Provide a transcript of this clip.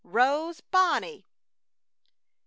Rose Bonnie!